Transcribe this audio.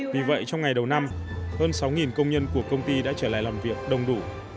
vì vậy trong ngày đầu năm hơn sáu công nhân của công ty đã trở lại làm việc đông đủ